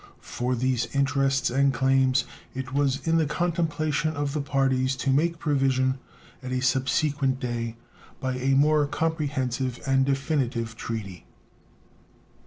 For these interests and claims it was in the contemplation of the parties to make provision at a subsequent day by a more comprehensive and definitive treaty.